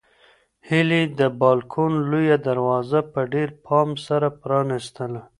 هیلې د بالکن لویه دروازه په ډېر پام سره پرانیستله.